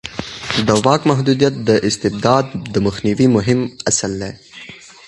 د واک محدودیت د استبداد د مخنیوي مهم اصل دی